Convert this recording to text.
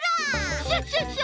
クシャシャシャ！